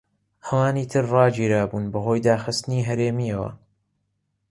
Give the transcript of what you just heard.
ئەوانەی تر ڕاگیرابوون بەهۆی داخستنی هەرێمیەوە.